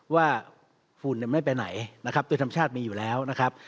ว่าฝุ่นเนี่ยไม่ไปไหนนะครับด้วยธรรมชาติมีอยู่แล้วนะครับ